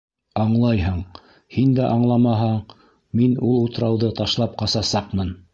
Аңлайһың, һин дә аңламаһаң, мин ул утрауҙы ташлап ҡасасаҡмын.